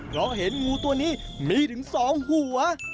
เพราะเห็นงูตัวนี้มีถึง๒หัว